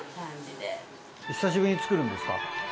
久しぶりに作るんですか？